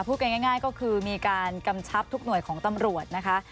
พูดกันง่ายก็คือมีการกำชับทุกหน่วยของตำรวจนะคะ